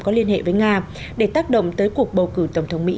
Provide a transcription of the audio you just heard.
có liên hệ với nga để tác động tới cuộc bầu cử tổng thống mỹ